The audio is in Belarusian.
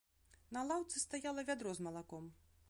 На лаўцы стаяла вядро з малаком.